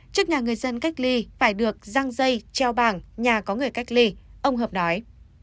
trước nhà người dân cách ly phải được răng dây treo bảng nhà có người cách ly ông hợp nói